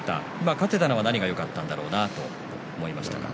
勝てたのは何がよかったんだろうなと思いましたか？